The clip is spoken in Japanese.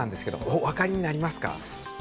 お分かりになりますか。